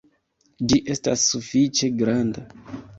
Ĝi estas sufiĉe granda